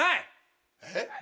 えっ？